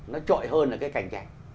nó trội hơn là cái cảnh cảnh